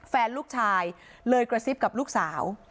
แฟนลูกชายเลยกระซิบกับลูกสาว